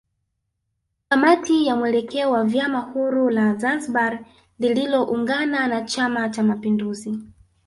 Kamati ya mwelekeo wa vyama huru la Zanzibari lililoungana na chama cha mapinduzi